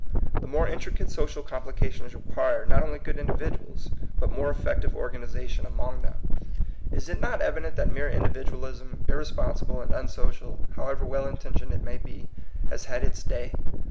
The more intricate social complica tions require, not only good individuals, but more effective organization among them. 116 THE COMING PEOPLE. Is it not evident that mere individualism, irresponsible and unsocial, however well intentioned it may be, has had its day?